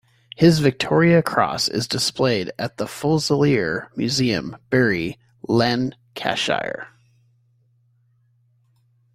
His Victoria Cross is displayed at the Fusilier Museum, Bury, Lancashire.